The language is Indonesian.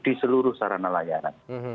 di seluruh sarana layaran